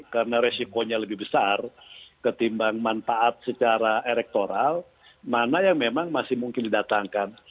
karena resikonya lebih besar ketimbang manfaat secara elektoral mana yang memang masih mungkin didatangkan